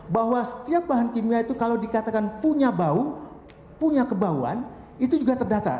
bahwa setiap bahan kimia itu kalau dikatakan punya bau punya kebauan itu juga terdata